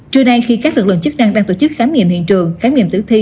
trưa nay khi các lực lượng chức năng đang tổ chức khám nghiệm hiện trường khám nghiệm tử thi